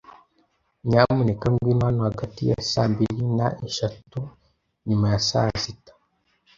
Nyamuneka ngwino hano hagati ya saa mbiri na eshatu nyuma ya saa sita.